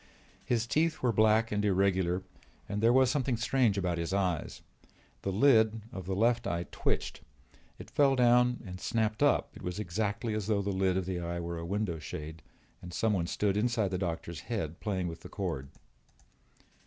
His teeth were black and irregular and there was something strange about his eyes. The lid of the left eye twitched; it fell down and snapped up; it was exactly as though the lid of the eye were a window shade and someone stood inside the doctor's head playing with the cord.